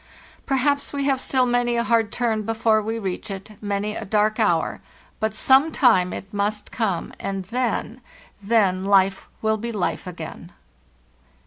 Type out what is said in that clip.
Perhaps we have still many a hard turn before we reach it, many a dark hour; but some time it must come, and then—then life will be hfe again!